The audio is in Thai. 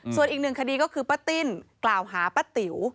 ส่วนอีกหนึ่งคดีก็คือป้าติ้นกล่าวหาป้าติ๋ว